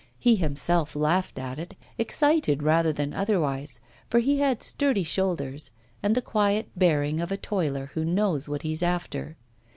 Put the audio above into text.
He himself laughed at it, excited rather than otherwise, for he had sturdy shoulders and the quiet bearing of a toiler who knows what he's after.